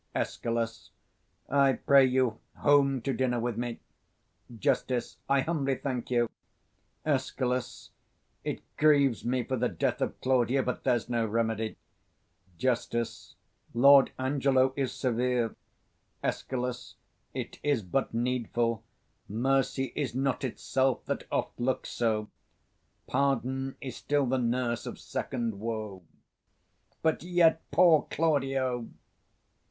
Escal. I pray you home to dinner with me. 260 Just. I humbly thank you. Escal. It grieves me for the death of Claudio; But there's no remedy. Just. Lord Angelo is severe. Escal. It is but needful: Mercy is not itself, that oft looks so; 265 Pardon is still the nurse of second woe: But yet, poor Claudio!